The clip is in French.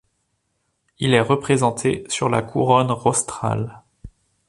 Il est représenté sur la couronne rostrale.